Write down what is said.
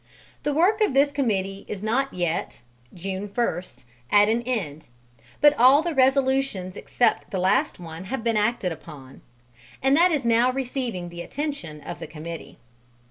The work of this committee is not yet (June 1st) at an end, but all the resolutions except the last one have been acted upon, and that is now receiving the attention of the committee.